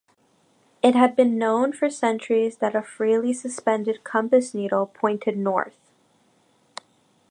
It had been known for centuries that a freely suspended compass needle pointed north.